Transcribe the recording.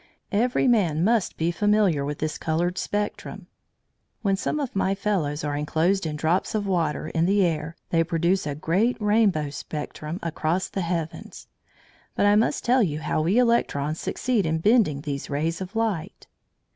Every man must be familiar with this coloured spectrum. When some of my fellows are enclosed in drops of water in the air they produce a great rainbow spectrum across the heavens. But I must tell you how we electrons succeed in bending these rays of light.